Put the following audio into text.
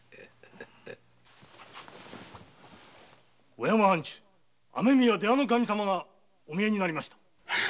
小山藩主雨宮出羽守様がお見えになりました。